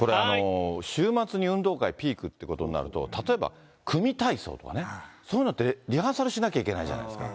これ、週末に運動会ピークっていうことになると、例えば、組体操とかね、そういうのって、リハーサルしなきゃいけないじゃないですか。